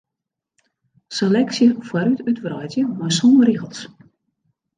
Seleksje foarút útwreidzje mei sân rigels.